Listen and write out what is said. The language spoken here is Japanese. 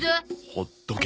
ほっとけ。